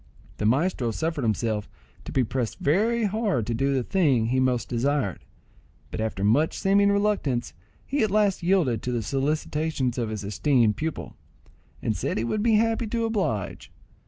The maestro suffered himself to be pressed very hard to do the thing he most desired, but after much seeming reluctance he at last yielded to the solicitations of his esteemed pupil, and said he would be happy to oblige him.